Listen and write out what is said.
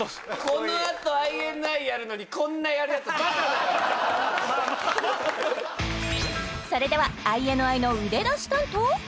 このあとＩＮＩやるのにそれではＩＮＩの腕出し担当？